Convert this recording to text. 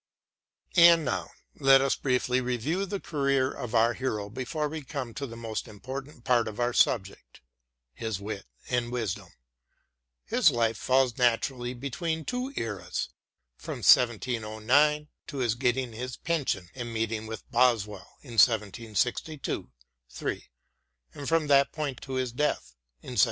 And now let us briefly review the career of our hero before we come to the most important part of our subject — ^his wit and wisdom. His life falls naturally into two eras, from 1709 to his getting his pension and meeting with ^oswell in 1762 3, and from that point to his death in 1784.